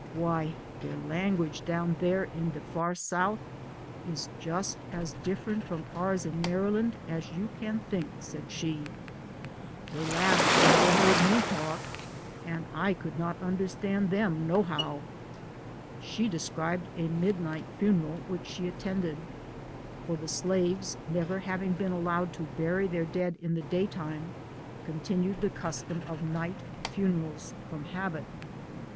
" Why, dcr language down dar in de far South is jus' as different from ours in Maryland, as you can LIFE OF HARRIET TUBMAN. think," said she. " Dey laughed when dey heard me talk, an' I could not understand dem, no how." She described a midnight funeral which she at tended ; for the slaves, never having been allowed to bury their dead in the day time, continued the custom of night funerals from habit.